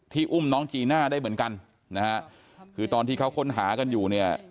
อุ้มน้องจีน่าได้เหมือนกันนะฮะคือตอนที่เขาค้นหากันอยู่เนี่ย